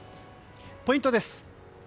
ポイントです。